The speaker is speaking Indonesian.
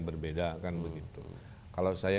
berbeda kan begitu kalau saya